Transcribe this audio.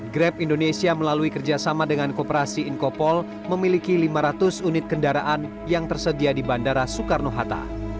grab indonesia melalui kerjasama dengan kooperasi inkopol memiliki lima ratus unit kendaraan yang tersedia di bandara soekarno hatta